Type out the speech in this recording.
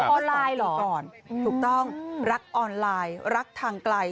ออนไลน์หลอกก่อนถูกต้องรักออนไลน์รักทางไกล